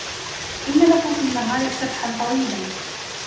إِنَّ لَكَ فِي النَّهَارِ سَبْحًا طَوِيلًا